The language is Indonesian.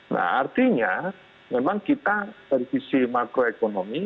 nah artinya memang kita dari sisi makroekonomi